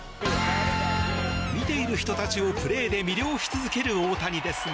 見ている人たちをプレーで魅了し続ける大谷ですが。